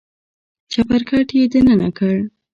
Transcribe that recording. چپرکټ يې دننه کړ.